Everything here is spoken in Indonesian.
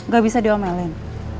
gak bisa diomelin